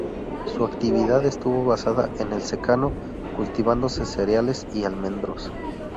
Su actividad estuvo basada en el secano, cultivándose cereales y almendros.